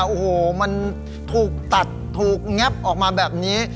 โอ้โหมันถูกตัดถูกแง๊บออกมาแบบนี้